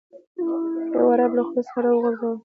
یو عرب له خولې څخه راوغورځاوه.